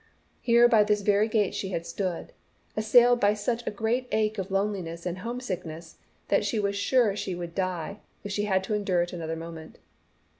Here by this very gate she had stood, assailed by such a great ache of loneliness and homesickness that she was sure she would die if she had to endure it another moment.